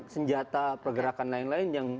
senjata pergerakan lain lain yang